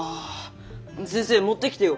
先生持ってきてよ！